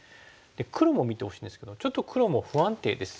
黒も見てほしいんですけどちょっと黒も不安定ですよね。